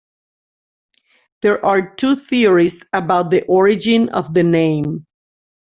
There are two theories about the origin of the name.